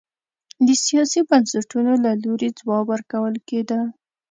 د سیاسي بنسټونو له لوري ځواب ورکول کېده.